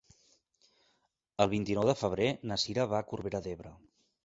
El vint-i-nou de febrer na Sira va a Corbera d'Ebre.